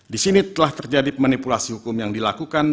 di sini telah terjadi manipulasi hukum yang dilakukan